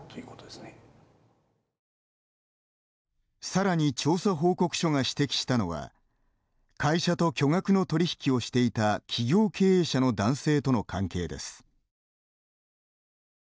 さらに調査報告書が指摘したのは会社と巨額の取り引きをしていた企業経営者の男性との関係です。